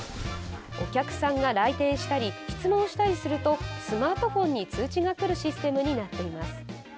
お客さんが来店したり質問したりするとスマートフォンに通知が来るシステムになっています。